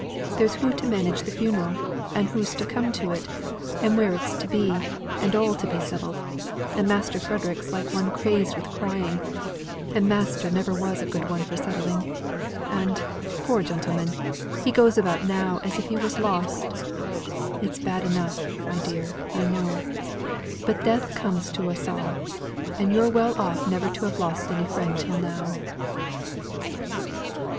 There's who's to manage the funeral; and who's to come to it; and where it's to be; and all to be settled: and Master Frederick's like one crazed with crying, and master never was a good one for settling; and, poor gentleman, he goes about now as if he was lost. It's bad enough, my dear, I know; but death comes to us all; and you're well off never to have lost any friend till now."